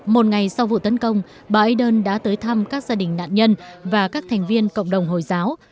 một ngày sau vụ tấn công bà ardern đã tới thăm các gia đình nạn nhân và các thành viên cộng đồng hồi giáo